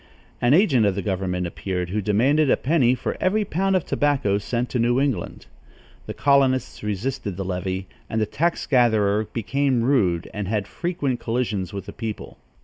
An agent of the government appeared, who demanded a penny for every pound of tobacco sent to New England. The colonists resisted the levy and the tax gatherer became rude and had frequent collisions with the people.